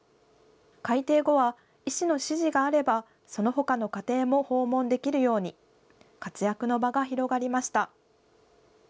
改定後は、医師の指示があればそのほかの家庭も訪問できるように、活躍の場が広がりました。